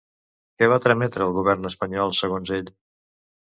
Què va trametre el govern espanyol segons ell?